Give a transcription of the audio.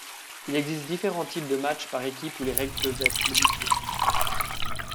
Il existe différents types de match par équipes où les règles peuvent être modifiées.